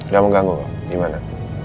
yang mengganggu kok gimana